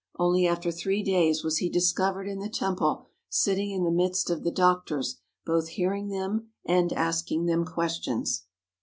Only after three days was He discovered in the temple sitting in the midst of the doctors, both hearing them and asking them questions.